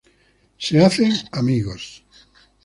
Se hacen amigos.